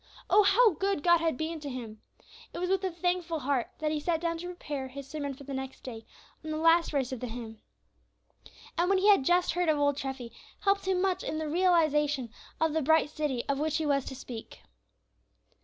Oh, how good God had been to him! It was with a thankful heart that he sat down to prepare his sermon for the next day, on the last verse of the hymn. And what he had just heard of old Treffy helped him much in the realization of the bright city of which he was to speak.